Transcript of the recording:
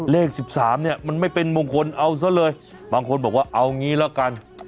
เลข๑๓เนี่ยมันไม่เป็นมงคลเอาซะเลยบางคนบอกว่าเอางี้ละกัน